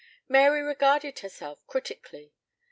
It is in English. Mary regarded herself critically.